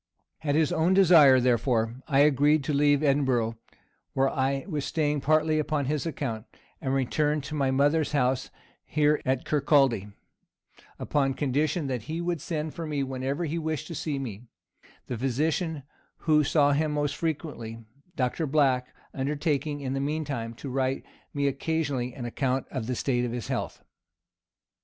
At his own desire, therefore, I agreed to leave Edinburgh, where I was staying partly upon his account and returned to my mother's house here at Kirkaldy, upon condition that he would send for me whenever he wished to see me; the physician who saw him most frequently, Dr. Black, undertaking, in the mean time, to write me occasionally an account of the state of his health.